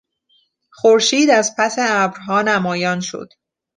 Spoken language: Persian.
خورشید از پس ابرها نمایان شد.